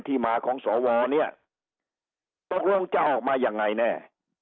ที่มาของสวเนี่ยตกลงจะออกมายังไงแน่